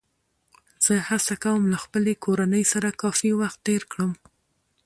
زه هڅه کوم له خپلې کورنۍ سره کافي وخت تېر کړم